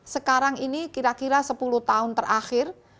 sekarang ini kira kira sepuluh tahun terakhir